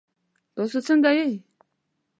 تاسو ځنګه يئ؟